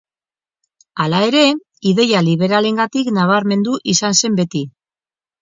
Hala ere, ideia liberalengatik nabarmendu izan zen beti.